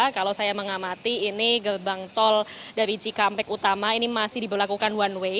kalau saya mengamati ini gerbang tol dari cikampek utama ini masih diberlakukan one way